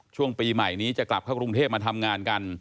ช่วงปีใหม่นี้จะกลับเข้ากรุงเทพมาทำงานกัน